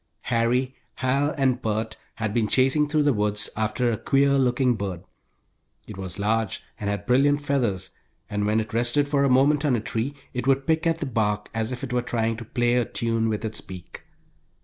Harry, Hal, and Bert had been chasing through the woods after a queer looking bird. It was large, and had brilliant feathers, and when it rested for a moment on a tree it would pick at the bark as if it were trying to play a tune with its beak.